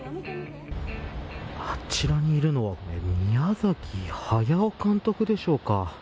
あちらにいるのは宮崎駿監督でしょうか。